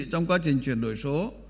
trong quá trình chuyển đổi số